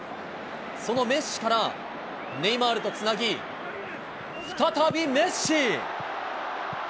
そのメッシからネイマールとつなぎ、再びメッシ。